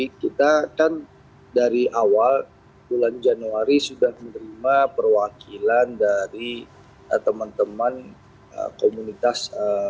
kita kan dari awal bulan januari sudah menerima perwakilan dari teman teman komunitas